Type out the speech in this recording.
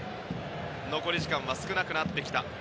残り時間は少なくなってきた。